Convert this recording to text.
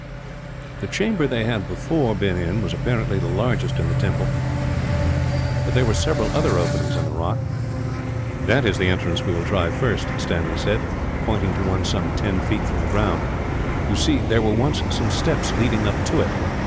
The chamber they had before been in was apparently the largest in the temple, but there were several other openings in the rock. "That is the entrance we will try first," Stanley said, pointing to one some ten feet from the ground. "You see there were once some steps leading up to it.